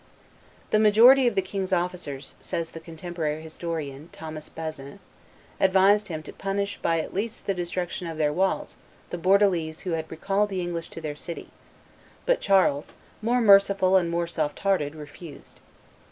"The majority of the king's officers," says the contemporary historian, Thomas Basin, "advised him to punish by at least the destruction of their walls the Bordelese who had recalled the English to their city; but Charles, more merciful and more soft hearted, refused."